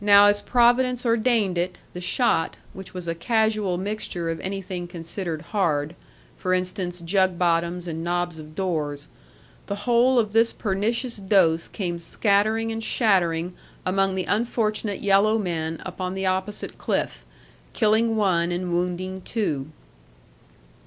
Now as Providence ordained it, the shot, which was a casual mixture of anything considered hard for instance, jug bottoms and knobs of doors the whole of this pernicious dose came scattering and shattering among the unfortunate yellow men upon the opposite cliff; killing one and wounding two.